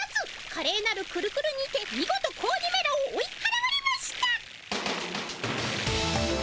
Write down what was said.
かれいなるくるくるにてみごと子鬼めらを追いはらわれました。